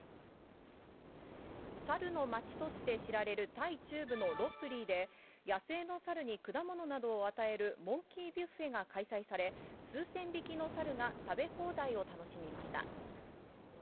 サルの街として知られるタイ中部のロッブリーで、野生のサルに果物などを与えるモンキービュッフェが開催され、数千匹のサルが食べ放題を楽しみました。